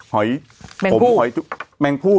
เหายแมงคู่